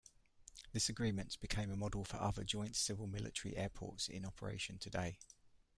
This agreement became a model for other joint civil-military airports in operation today.